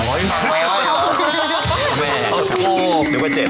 ร้อยต่อร้อยแม่ขอโทษ